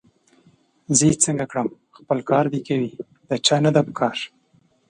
زه یې څنګه کړم! خپل کار دي کوي، د چا نه ده پکار